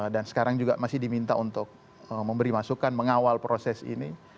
dan sekarang juga masih diminta untuk memberi masukan mengawal proses ini